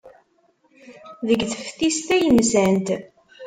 Deg teftist ay nsant.